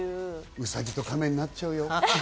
ウサギとカメになっちゃうよ。